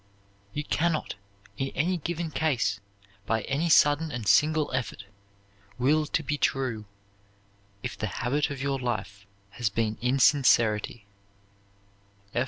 You can not, in any given case, by any sudden and single effort, will to be true, if the habit of your life has been insincerity.